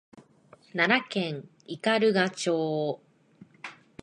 奈良県斑鳩町